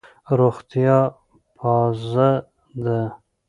روغتیا پازه ده.